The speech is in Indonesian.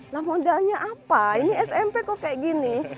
nah modalnya apa ini smp kok kayak gini